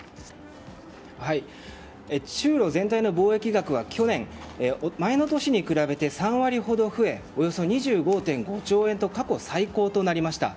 中ロ全体の貿易額は去年、前の年に比べて３割ほど増えおよそ２５．５兆円と過去最高となりました。